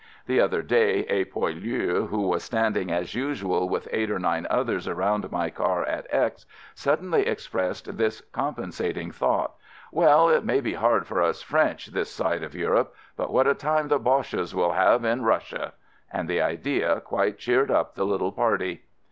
The other day a poilu who was standing as usual with eight or nine others around my car at X , suddenly ex pressed this compensating thought : "Well, it may be hard for us French this side of Europe, but what a time the Boches will have in Russia!" — and the idea quite cheered up the little party.